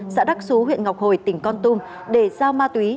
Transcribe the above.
xã đắc xú huyện ngọc hồi tỉnh con tum để giao ma túy